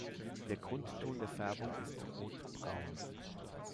Der Grundton der Färbung ist rotbraun.